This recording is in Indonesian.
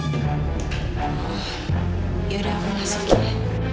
oh ya udah aku masuk ya